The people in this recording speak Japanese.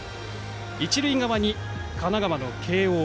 一塁側に、神奈川の慶応。